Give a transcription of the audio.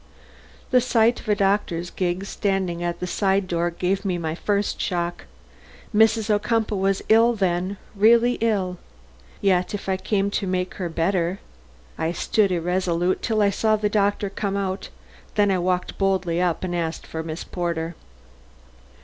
The sight of a doctor's gig standing at the side door gave me my first shock. Mrs. Ocumpaugh was ill, then, really ill. Yet if I came to make her better? I stood irresolute till I saw the doctor come out; then I walked boldly up and asked for Miss Porter.